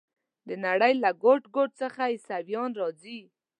د نړۍ له ګوټ ګوټ څخه عیسویان راځي.